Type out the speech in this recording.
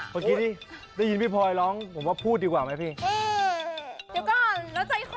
พอคิดดิได้ยินพี่พลอยร้องผมว่าพูดดีกว่ามั้ยพี่